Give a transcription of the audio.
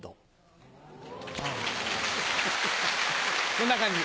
こんな感じ？